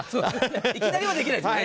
いきなりはできないですよね。